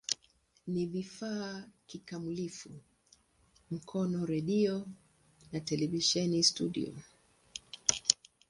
Ni vifaa kikamilifu Mkono redio na televisheni studio.